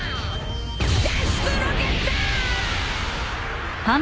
脱出ロケット！